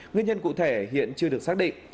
nguyên nhân cụ thể hiện chưa được xác định